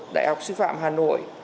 đại học sư phạm hà nội